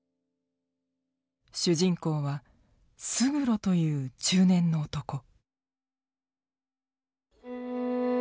主人公は勝呂という中年の男。